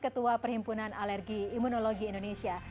ketua perhimpunan alergi imunologi indonesia